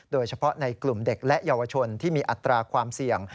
โดยเฉพาะในกลุ่มเด็กและเยาวชนที่มีอัตราความเสี่ยง